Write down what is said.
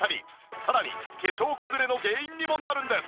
さらに化粧崩れの原因にもなるんです。